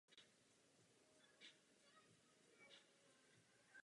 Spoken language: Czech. Na poslední chvíli utvořila s Národní jednotou koalici Národní náboženská strana.